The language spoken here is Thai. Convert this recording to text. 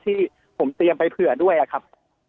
ที่ผมเตรียมไปเผื่อด้วยครับ